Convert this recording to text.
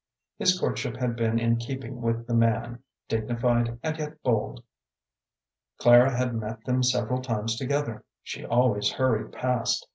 His courtship had been in keeping with the man, dignified and yet bold. Clara had met them several times together. She always hurried past.